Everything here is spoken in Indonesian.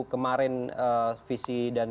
kemarin visi dan